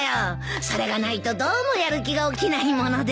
それがないとどうもやる気が起きないもので。